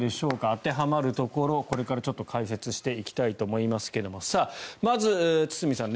当てはまるところこれからちょっと解説していきたいと思いますがさあ、まず堤さん